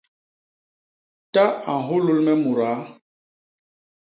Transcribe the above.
Ta a nhulul me mudaa.